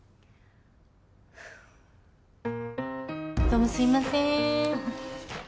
どうもすいません。